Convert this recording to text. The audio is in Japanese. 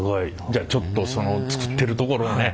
じゃあちょっとその作ってるところをね